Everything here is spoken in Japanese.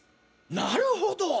なるほど！